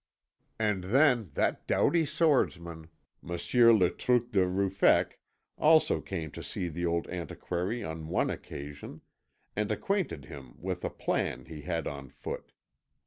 And then that doughty swordsman, Monsieur Le Truc de Ruffec, also came to see the old antiquary on one occasion, and acquainted him with a plan he had on foot.